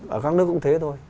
ở các nước cũng thế thôi